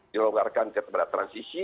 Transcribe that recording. dilonggarkan keberat transisi